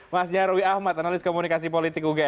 mas nyarwi ahmad analis komunikasi politik ugm